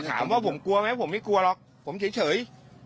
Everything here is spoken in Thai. ถามว่าผมกลัวไหมผมไม่กลัวหรอกผมเฉย